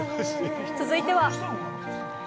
続いては。